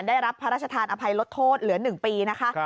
ได้รับพระราชทานอภัยลดโทษเหลือ๑ปีนะคะ